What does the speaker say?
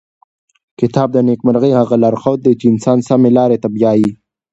کتاب د نېکمرغۍ هغه لارښود دی چې انسان سمې لارې ته بیايي.